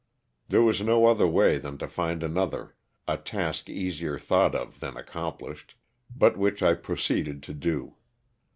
There was no other way than to find another, a task easier thought of than accom plished, but which I proceeded to do.